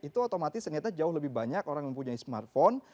itu otomatis ternyata jauh lebih banyak orang yang mempunyai smartphone